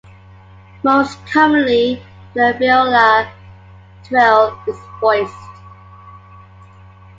Most commonly, the alveolar trill is voiced.